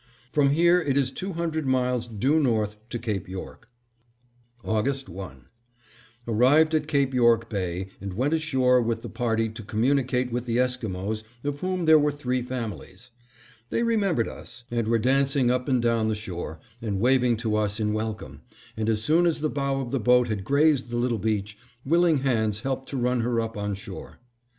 From here it is two hundred miles due north to Cape York. August 1: Arrived at Cape York Bay and went ashore with the party to communicate with the Esquimos of whom there were three families. They remembered us and were dancing up and down the shore, and waving to us in welcome, and as soon as the bow of the boat had grazed the little beach, willing hands helped to run her up on shore.